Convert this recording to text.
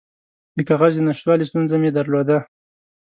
د کاغذ د نشتوالي ستونزه مې درلوده.